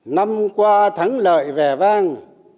năm qua thắng lợi vẻ vang